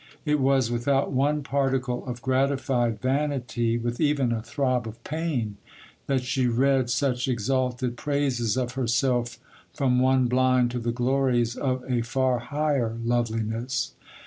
It was without one particle of gratified vanity, with even a throb of pain, that she read such exalted praises of herself from one blind to the glories of a far higher loveliness.